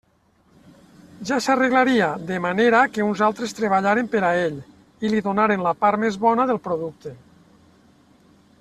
Ja s'arreglaria de manera que uns altres treballaren per a ell, i li donaren la part més bona del producte.